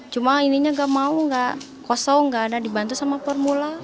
cuma ininya nggak mau nggak kosong nggak ada dibantu sama formula